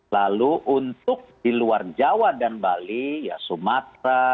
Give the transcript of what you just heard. lalu untuk di luar jawa dan bali ya sumatera